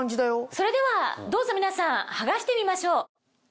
それではどうぞ皆さん剥がしてみましょう。